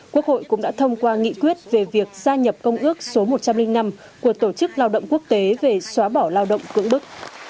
quốc hội cũng đã thông qua nghị quyết về việc gia nhập công ước số một trăm linh năm của tổ chức lao động quốc tế về xóa bỏ lao động cưỡng bức